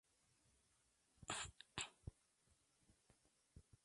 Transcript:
Ese mismo año interpretó a Mary en la película "Ironclad: Battle for Blood".